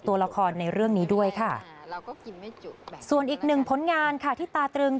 ตัวละครในเรื่องนี้ด้วยค่ะส่วนอีกหนึ่งผลงานค่ะที่ตาตรึง